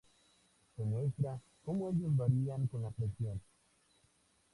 Se muestra como ellos varían con la presión.